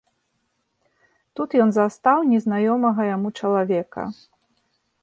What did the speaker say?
Тут ён застаў незнаёмага яму чалавека.